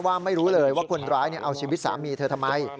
ไม่รู้เลยว่าคนร้ายเอาชีวิตสามีเธอทำไม